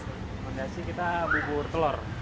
rekomendasi kita bubur telur